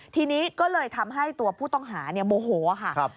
ทีนี้ก็เลยทำให้ตัวผู้ต้องหาโมโหค่ะ